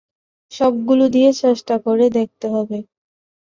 সবগুলো দিয়ে চেষ্টা করে দেখতে হবে।